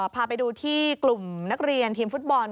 พาไปดูที่กลุ่มนักเรียนทีมฟุตบอล